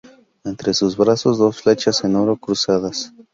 Entre sus brazos dos flechas en oro cruzadas.